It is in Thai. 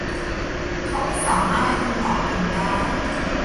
เขาไม่สามารถให้คำตอบคุณได้